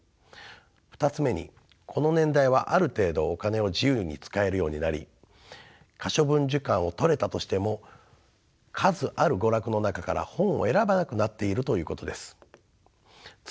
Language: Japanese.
２つ目にこの年代はある程度お金を自由に使えるようになり可処分時間を取れたとしても数ある娯楽の中から本を選ばなくなっているということです。